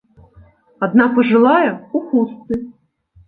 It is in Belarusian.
Адна пажылая, у хустцы.